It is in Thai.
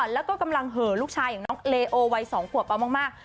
แล้วก็กำลังเหอะลูกชายอย่างน้องเลโอวัย๒ขวบเอามาก